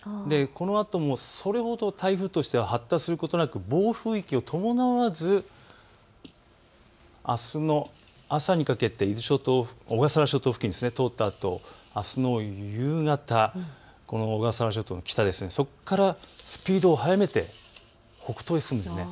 このあともそれほど台風としては発達することなく暴風域を伴わず、あすの朝にかけて小笠原諸島付近を通ったあとあすの夕方、小笠原諸島の北、そこからスピードを速めて北東へ進みます。